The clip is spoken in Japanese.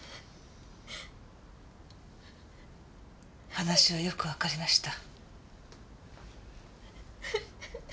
話はよくわかりました。